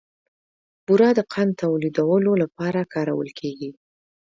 بوره د قند تولیدولو لپاره کارول کېږي.